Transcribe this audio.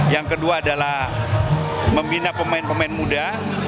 yang kedua adalah membina pemain pemain muda